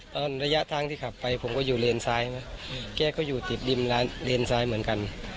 ระยะทางที่ขับไปผมก็อยู่เลนซ้ายไหมแกก็อยู่ติดริมเลนซ้ายเหมือนกัน